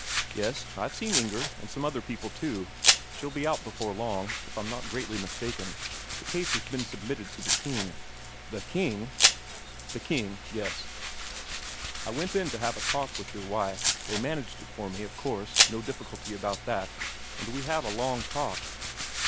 Yes, I've seen Inger and some other people too. She'll be out before long, if I'm not greatly mistaken the case has been submitted to the King." "The King?" "The King, yes. I went in to have a talk with your wife they managed it for me, of course, no difficulty about that and we had a long talk.